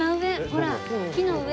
ほら木の上。